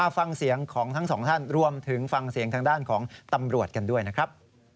ฟังเสียงของทั้งสองท่านรวมถึงฟังเสียงทางด้านของตำรวจกันด้วยนะครับ